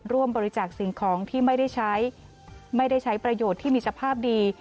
ร่วมบริจาคสิ่งของที่ไม่ได้ใช้ไม่ได้ใช้ประโยชน์ที่มีสภาพดี